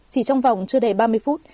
chỉ trong vòng chưa đầy ba mươi phút